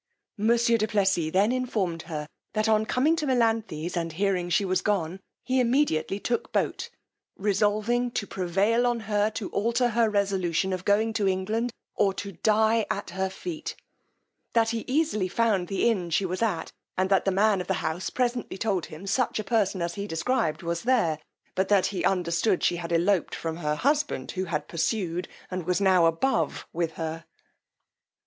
Monsieur du Plessis then informed her, that on coming to Melanthe's, and hearing she was gone, he immediately took boat, resolving to prevail on her to alter her resolution of going to England, or dye at her feet: that he easily found the inn she was at, and that the man of the house presently told him, such a person as he described was there; but that he understood she had eloped from her husband, who had pursued, and was now above with her.